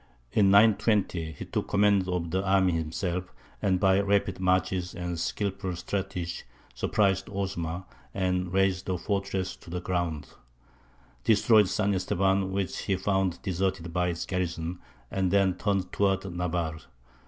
In 920 he took command of the army himself, and by rapid marches and skilful strategy surprised Osma, and razed the fortress to the ground; destroyed San Estevan, which he found deserted by its garrison; and then turned towards Navarre.